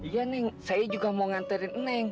iya ning saya juga mau nganterin anda